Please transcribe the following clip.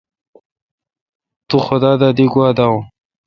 تو خدا دا دی گوا داوین۔